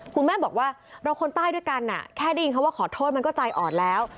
คุณแม่บอกว่าเราคนใต้ด้วยกันแค่ได้ยินคำว่าขอโทษมันก็ใจอ่อนแล้ว